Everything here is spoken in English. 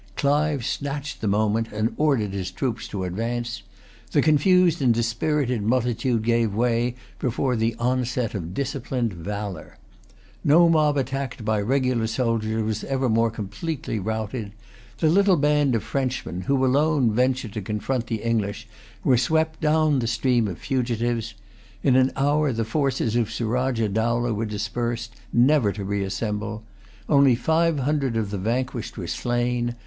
Clive snatched the moment, and ordered his troops to advance. The confused and dispirited multitude gave way before the onset of disciplined valour. No mob attacked by regular soldiers was ever more completely routed. The little band of Frenchmen, who alone ventured to confront the English, were swept down the stream of fugitives. In an hour the forces of Surajah Dowlah were dispersed, never to reassemble. Only five hundred of the vanquished were slain.